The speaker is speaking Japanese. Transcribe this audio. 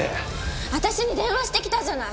私に電話してきたじゃない。